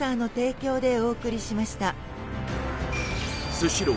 スシロー